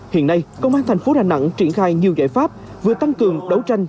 hiện nay công an thành phố đà nẵng triển khai nhiều giải pháp vừa tăng cường đấu tranh